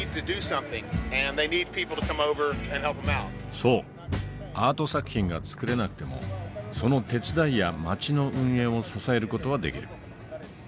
そうアート作品が作れなくてもその手伝いや街の運営を支える事はできる。